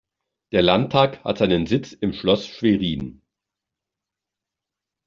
Der Landtag hat seinen Sitz im Schloß in Schwerin.